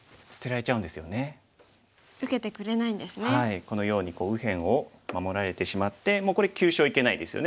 このように右辺を守られてしまってもうこれ急所いけないですよね。